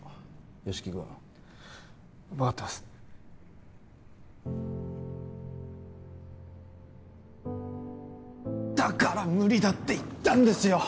吉木君分かってますだから無理だって言ったんですよ